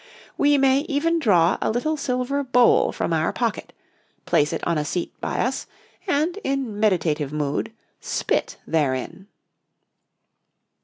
We may even draw a little silver bowl from our pocket, place it on a seat by us, and, in meditative mood, spit therein.